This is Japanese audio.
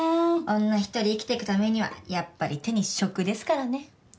女一人生きてくためにはやっぱり手に職ですからね。